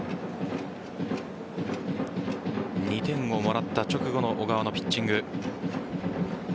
２点をもらった直後の小川のピッチング。